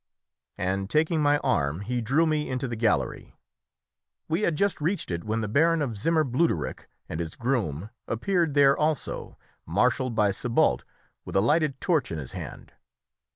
And taking my arm, he drew me into the gallery. We had just reached it when the Baron of Zimmer Bluderich and his groom appeared there also, marshalled by Sébalt with a lighted torch in his hand.